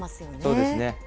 そうですね。